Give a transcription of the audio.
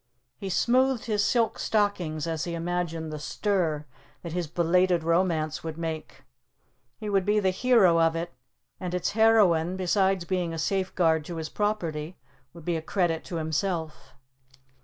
He smoothed his silk stockings as he imagined the stir that his belated romance would make. He would be the hero of it, and its heroine, besides being a safeguard to his property, would be a credit to himself.